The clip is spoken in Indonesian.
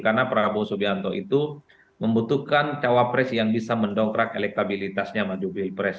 karena prabowo soebianto itu membutuhkan cawapres yang bisa mendongkrak elektabilitasnya maju bihai pres